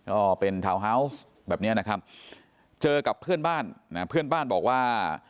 ก็เป็นทาวน์ฮาวส์แบบเนี้ยนะครับเจอกับเพื่อนบ้านนะเพื่อนบ้านบอกว่า